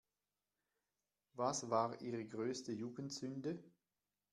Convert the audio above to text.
Was war Ihre größte Jugendsünde?